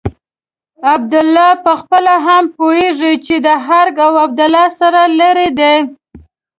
عبدالله پخپله هم پوهېږي چې ارګ او عبدالله سره لرې دي.